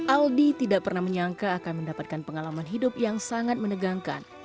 aldi tidak pernah menyangka akan mendapatkan pengalaman hidup yang sangat menegangkan